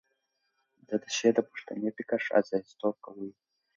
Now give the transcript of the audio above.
د ده شعر د پښتني فکر ښه استازیتوب کوي.